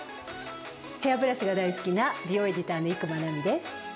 ヘアブラシが大好きな美容エディターの伊熊奈美です。